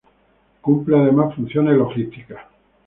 Cumple además, funciones logísticas.